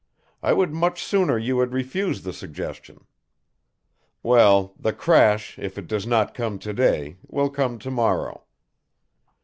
I would much sooner you had refused the suggestion. Well, the crash if it does not come to day will come to morrow.